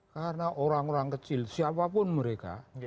karena orang orang kecil siapapun mereka